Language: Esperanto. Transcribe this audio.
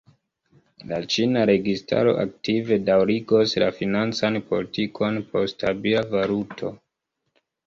La ĉina registaro aktive daŭrigos la financan politikon por stabila valuto.